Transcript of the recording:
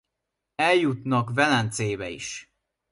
Eljutnak Velencébe is.